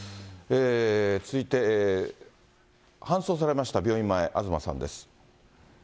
続いて、搬送されました病院前、東さんです。